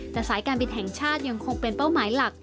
แต่สายการบินแห่งชาติยังคงเป็นเป้าหมายหลัก